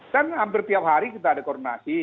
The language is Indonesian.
dan hampir tiap hari kita ada koordinasi